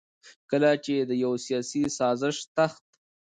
کله چې د يو سياسي سازش تحت